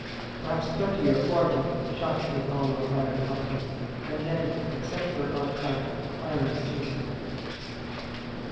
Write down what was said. Perhaps thirty or forty shots in all were fired at Hopkins', and then, except for an odd crack, firing ceased.